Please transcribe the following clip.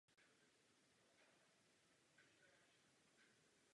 Je údajně největší mapou na světě.